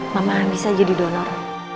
mama bisa jadi donor